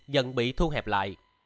dần bị thu hẹp lại